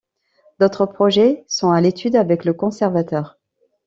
D’autres projets sont à l’étude avec le conservateur.